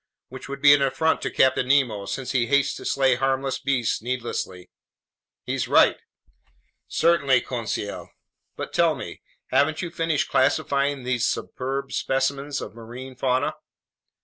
Which would be an affront to Captain Nemo, since he hates to slay harmless beasts needlessly." "He's right." "Certainly, Conseil. But tell me, haven't you finished classifying these superb specimens of marine fauna?"